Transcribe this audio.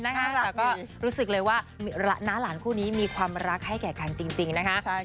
แต่ก็รู้สึกเลยว่าน้าหลานคู่นี้มีความรักให้แก่กันจริงนะคะ